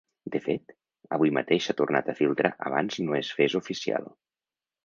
De fet, avui mateix s’ha tornat a filtrar abans no es fes oficial.